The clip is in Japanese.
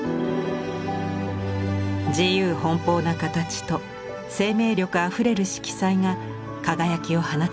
自由奔放な形と生命力あふれる色彩が輝きを放ちます。